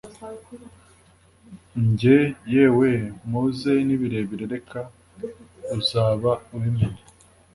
njye yeewe! muze nibirebire reka uzaba ubimenya